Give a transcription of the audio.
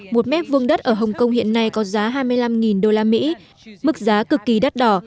một mét vuông đất ở hồng kông hiện nay có giá hai mươi năm đô la mỹ mức giá cực kỳ đắt đỏ